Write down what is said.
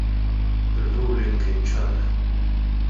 Ir-ruling huwa ċar.